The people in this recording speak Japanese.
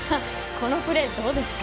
このプレーどうですか。